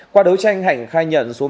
qua đấu tranh hạnh khai nhận số ma túy đá